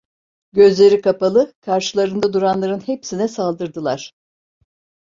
Gözleri kapalı, karşılarında duranların hepsine saldırdılar.